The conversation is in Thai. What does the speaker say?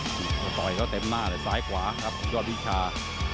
ต่อยเขาเต็มหน้าเลยซ้ายขวาครับยอดวิชา